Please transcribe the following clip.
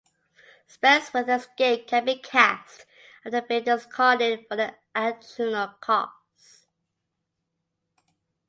Spells with escape can be cast after being discarded for an additional cost.